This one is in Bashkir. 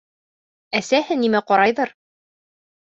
Әсәһе нимә ҡарайҙыр.